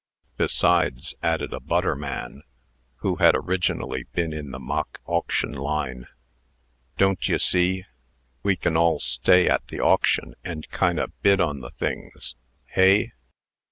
"Besides," added a butter man, who had originally been in the mock auction line, "don't ye see, we can all stay at the auction, and kind o' bid on the things. Hey?"